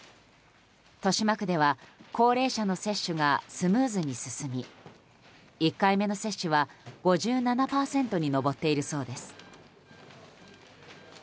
豊島区では高齢者の接種がスムーズに進み１回目の接種は５７％に上っているそうです。